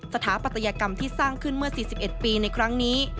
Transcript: สถาปัตยกรรมที่สร้างขึ้นเมื่อ๔๑ปีในครั้งนี้